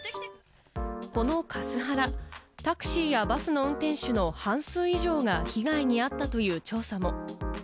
このカスハラ、タクシーやバスの運転手の半数以上が被害に遭ったという調査も。